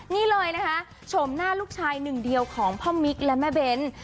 นี่เลยนะคะชมหน้าลูกชายหนึ่งเดียวของพ่อมิ๊กและแม่เบ้น